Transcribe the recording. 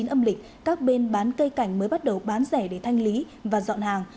hai mươi chín âm lịch các bên bán cây cảnh mới bắt đầu bán rẻ để thanh lý và dọn hàng